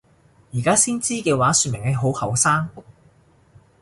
而家先知嘅話說明你好後生！